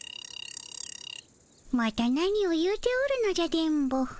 また何を言うておるのじゃ電ボ。